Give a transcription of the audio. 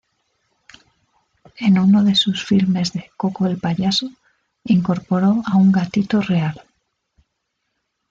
En uno de sus filmes de "Koko el payaso", incorporó a un gatito real.